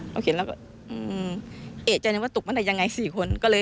เขาเขียนแล้วก็เอ๊ะใจนะว่าตุ๊กมาได้ยังไง๔คน